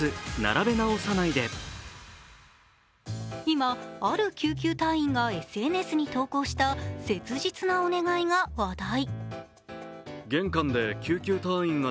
今、ある救急隊員がＳＮＳに投稿した切実なお願いが話題。